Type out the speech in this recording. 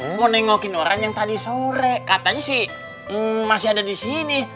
kamu mau nengokin orang yang tadi sore katanya sih masih ada di sini